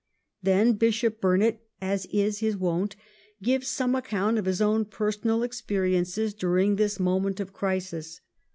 Then Bishop Burnet, as is his wont, gives some account of his own personal experiences during this moment of crisis.